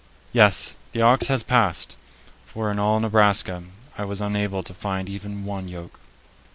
Yes, the ox has passed, for in all Nebraska I was unable to find even one yoke.